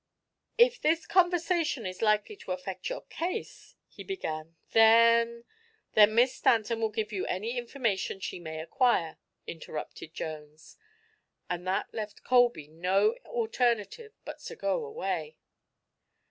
"If this conversation is likely to affect your case," he began, "then " "Then Miss Stanton will give you any information she may acquire," interrupted Jones, and that left Colby no alternative but to go away.